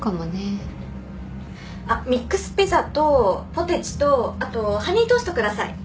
あっミックスピザとポテチとあとハニートースト下さい。